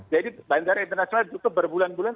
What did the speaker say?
jadi bandara internasional ditutup berbulan bulan